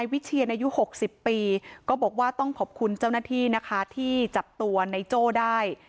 วิเชียนอายุ๖๐ปีก็บอกว่าต้องขอบคุณเจ้าหน้าที่นะคะที่จับตัวในโจ้ได้